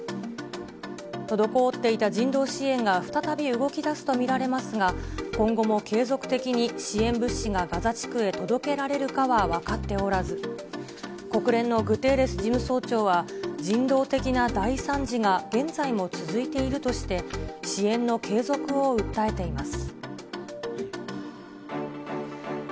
滞っていた人道支援が再び動きだすと見られますが、今後も継続的に支援物資がガザ地区へ届けられるかは分かっておらず、国連のグテーレス事務総長は、人道的な大惨事が現在も続いているとして、支援の継続を訴えています。